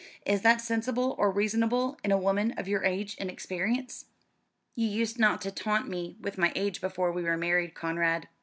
Is that sensible or reasonable, in a woman of your age and experience?" "You used not to taunt me with my age before we were married, Conrad."